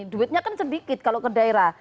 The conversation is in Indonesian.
duitnya kan sedikit kalau ke daerah